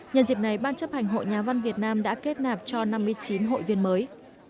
nhân dịp này ban chấp hành hội nhà văn việt nam đã kết nạp cho năm mươi chín hội viên mới